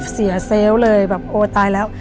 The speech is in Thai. เสียเซลล์เลยแบบโอ้ตายแล้ว